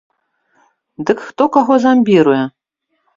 Дык хто каго замбіруе?